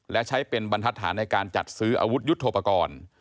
และใช้เป็นบรรทัศน์ในการจัดซื้ออาวุธยุทธโปรกรณ์